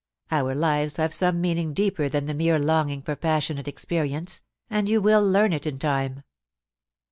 Our lives have some meaning deeper than the mere longing for passionate experience, and you will learn it in time.'